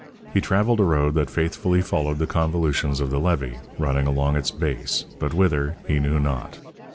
He travelled a road that faithfully followed the convolutions of the levee, running along its base, but whither he knew not.